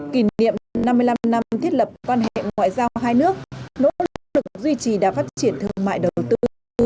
kỷ niệm năm mươi năm năm thiết lập quan hệ ngoại giao hai nước nỗ lực duy trì đã phát triển thương mại đầu tư